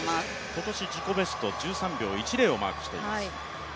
今年、自己ベスト１３秒１０をマークしています。